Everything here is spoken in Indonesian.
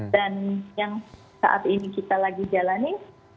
dan yang saat ini kita lagi jalani